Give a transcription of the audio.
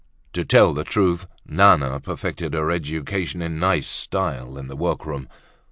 To tell the truth, Nana perfected her education in nice style in the workroom!